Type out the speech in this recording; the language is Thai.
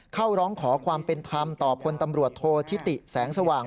เข้าร้องขอความเป็นธรรมต่อพลตำรวจโทษธิติแสงสว่าง